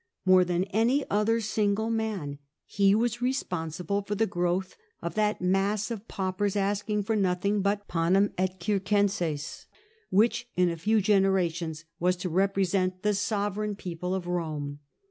More than any other single man, he vas^responsible for the growth of that mass of paupers asking for nothing but panem et circe7ises, which in a few generations was to represent the sovereign people of Rome.